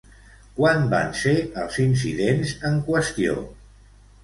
Quan van ser els incidents en qüestió?